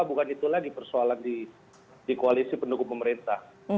bukan itulah di persoalan di koalisi pendukung pemerintah